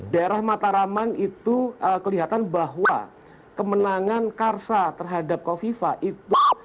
daerah mataraman itu kelihatan bahwa kemenangan karsa terhadap kofifa itu